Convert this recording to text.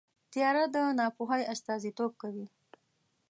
تیاره د ناپوهۍ استازیتوب کوي.